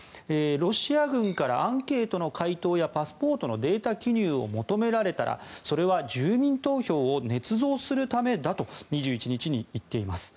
ロシア軍からアンケートの回答やパスポートのデータ記入を求められたら、それは住民投票をねつ造するためだと２１日に言っています。